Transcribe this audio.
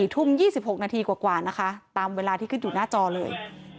ทุ่ม๒๖นาทีกว่านะคะตามเวลาที่ขึ้นอยู่หน้าจอเลย